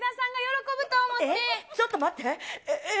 ちょっと待って。